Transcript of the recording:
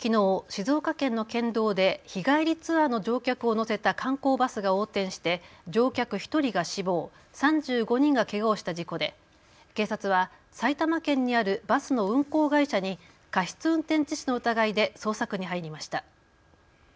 静岡県の県道で日帰りツアーの乗客を乗せた観光バスが横転して乗客１人が死亡、３５人がけがをした事故で警察は埼玉県にあるバスの運行会社に過失運転致死の疑いで捜索に入りました。